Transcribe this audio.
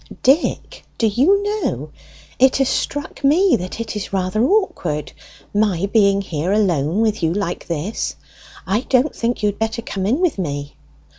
"Dick, do you know, it has struck me that it is rather awkward, my being here alone with you like this. I don't think you had better come in with me."